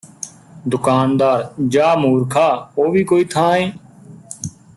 ਦੁਕਾਨਦਾਰ ਜਾ ਮੂਰਖਾ ਉਹ ਵੀ ਕੋਈ ਥਾਂ ਏ